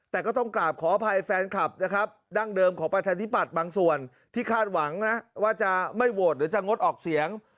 แต่ก็ต้องกราบขออภัยแฟนคลับนะครับดั้งเดิมของประชาธิปัตย์บางส่วนที่คาดหวังนะว่าจะไม่โหวตหรือจะงดออกเสียง